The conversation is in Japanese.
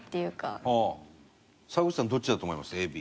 沢口さんどっちだと思います？